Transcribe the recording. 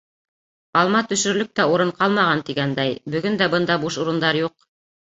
Алма төшөрлөк тә урын ҡалмаған, тигәндәй, бөгөн дә бында буш урындар юҡ.